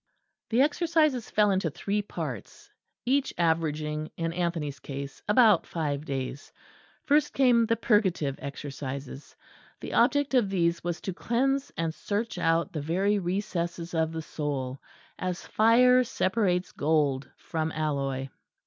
The Exercises fell into three parts, each averaging in Anthony's case about five days. First came the Purgative Exercises: the object of these was to cleanse and search out the very recesses of the soul; as fire separates gold from alloy.